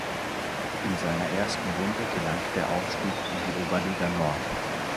In seiner ersten Runde gelang der Aufstieg in die Oberliga Nord.